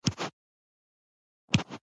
بزګر مجبور و چې د مالک په ځمکه کار وکړي.